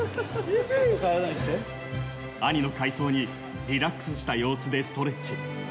兄の快走にリラックスした様子でストレッチ。